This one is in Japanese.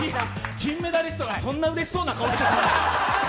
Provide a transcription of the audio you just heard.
金メダリストそんなうれしそうな顔しちゃ。